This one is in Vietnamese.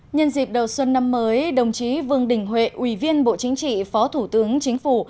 nhân dịp đầu xuân năm mới đồng chí vương đình huệ ủy viên bộ chính trị phó thủ tướng chính phủ